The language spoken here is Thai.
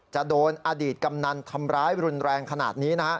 จะโดนอดีตกำนันทำร้ายรุนแรงขนาดนี้นะฮะ